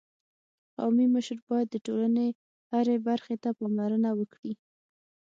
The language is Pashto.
قومي مشر باید د ټولني هري برخي ته پاملرنه وکړي.